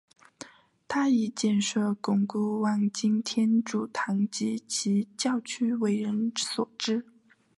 他以建设巩固万金天主堂及其教区为人所知。